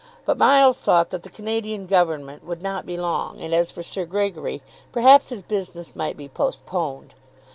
But Miles thought that the Canadian Government would not be long, and as for Sir Gregory, perhaps his business might be postponed.